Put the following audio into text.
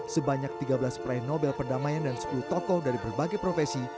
sebanyak tiga belas peraih nobel perdamaian dan sepuluh tokoh dari berbagai profesi